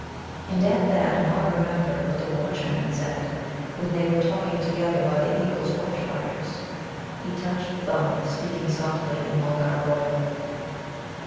And at that Nod remembered what the watchman had said, when they were talking together by the eagles' watch fires. He touched Thumb, speaking softly in Mulgar royal.